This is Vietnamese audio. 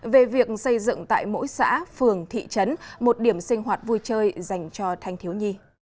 về việc xây dựng tại mỗi xã phường thị trấn một điểm sinh hoạt vui chơi dành cho thanh thiếu nhi